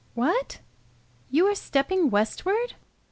"What, you are stepping westward?"